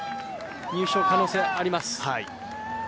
入賞の可能性あります。